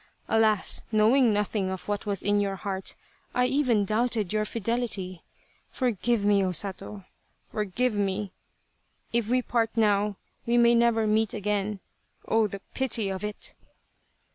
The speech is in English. Alas ! knowing nothing of what was in your heart I even doubted your fidelity. For give me, O Sato. Forgive me ! If we part now we may never meet again. Oh, the pity of it